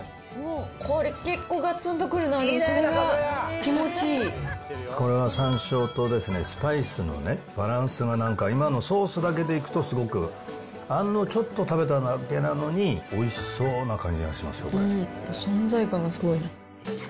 これ、結構がつんとくるな、これはさんしょうとですね、スパイスのね、バランスがなんか今のソースだけでいくとすごく、あんをちょっと食べただけなのに、おいしそうな感じがしますよ、存在感がすごい。